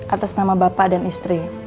atas nama bapak dan istri